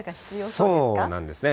そうなんですね。